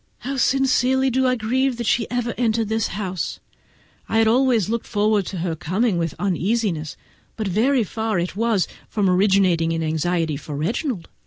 How sincerely do I grieve that she ever entered this house! I always looked forward to her coming with uneasiness; but very far was it from originating in anxiety for Reginald.